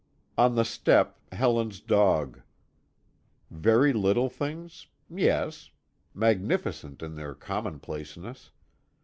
On the step, Helen's dog. Very little things? Yes. Magnificent in their commonplaceness.